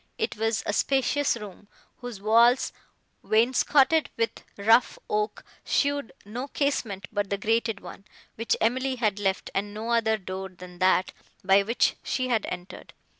It was a spacious room, whose walls, wainscoted with rough oak, showed no casement but the grated one, which Emily had left, and no other door than that, by which she had entered.